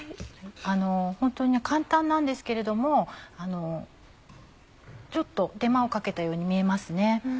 ホントに簡単なんですけれどもちょっと手間を掛けたように見えますね。